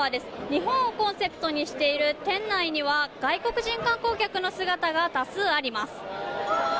日本をコンセプトにしている店内には外国人観光客の姿が多数あります。